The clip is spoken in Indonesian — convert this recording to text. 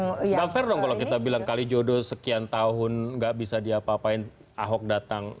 tidak fair dong kalau kita bilang kalijodo sekian tahun nggak bisa diapa apain ahok datang